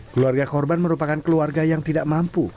keluarga korban merupakan keluarga yang tidak mampu